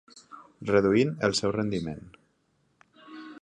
Reduint el seu rendiment.